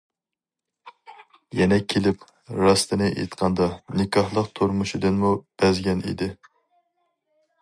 يەنە كېلىپ، راستىنى ئېيتقاندا، نىكاھلىق تۇرمۇشىدىنمۇ بەزگەن ئىدى.